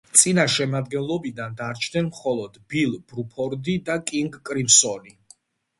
წინა შემადგენლობიდან დარჩნენ მხოლოდ ბილ ბრუფორდი და კინგ კრიმსონი.